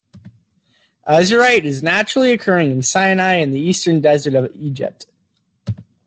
Azurite is naturally occurring in Sinai and the Eastern Desert of Egypt.